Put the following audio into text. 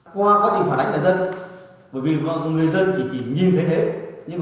qua quá trình phản ánh của dân bởi vì mọi người dân chỉ nhìn thế hệ